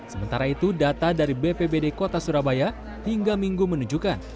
sementara itu data dari bpbd kota surabaya hingga minggu menunjukkan